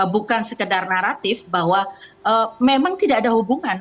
bukan sekedar naratif bahwa memang tidak ada hubungan